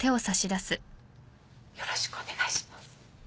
よろしくお願いします。